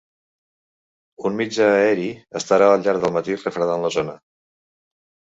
Un mitjà aeri estarà al llarg del matí refredant la zona.